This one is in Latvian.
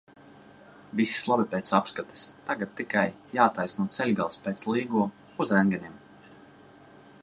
Viss labi pēc apskates, tagad tikai jātaisno ceļgals, pēc Līgo uz rentgeniem.